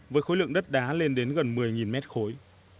với khối lượng đất đá lên đến gần một mươi mét khối